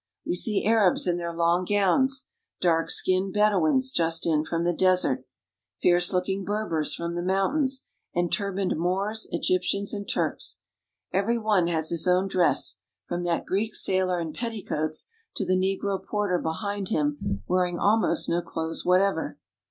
We see Arabs in their long gowns, dark skinned Bedouins (bed' oo ens) just in from the desert, fierce looking Berbers from the mountains, and turbaned Moors, Egyptians, and Turks. Every one has his own dress, from that Greek sailor in petticoats to the negro porter behind him wearing almost no clothes whatever.